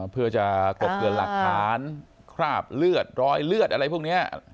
เพื่อจะกบเตือนหลักฐานคราบเลือดรอยเลือดอะไรพวกนี้